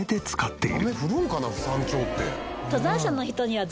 って